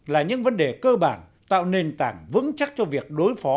là những vấn đề cơ bản tạo nền tảng vững chắc cho việc đối phó